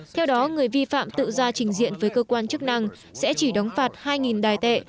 theo đó người vi phạm tự ra trình diện với cơ quan chức năng sẽ chỉ đóng phạt hai đài tệ